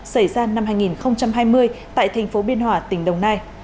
xảy ra năm hai nghìn hai mươi tại tp biên hòa tỉnh đồng nai